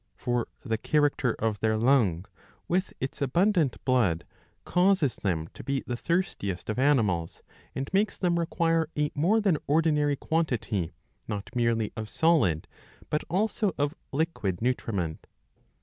For the character of their lung with its abundant blood causes them to be the thirstiest of animals, and makes them require a more than ordinary quantity not merely of solid but also of liquid nutriment.